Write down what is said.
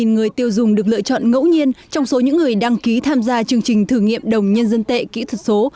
năm mươi người tiêu dùng được lựa chọn ngẫu nhiên trong số những người đăng ký tham gia chương trình thử nghiệm đồng nhân dân tệ kỹ thuật số